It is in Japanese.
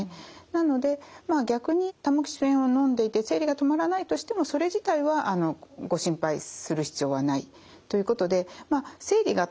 なのでまあ逆にタモキシフェンをのんでいて生理が止まらないとしてもそれ自体はご心配する必要はないということで続いて４５歳の女性から。